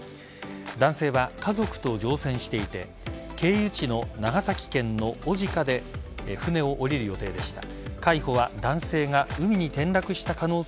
男性は家族と乗船していて経由地の長崎県の小値賀で船を降りる予定でした。